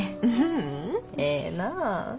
ううんええなぁ。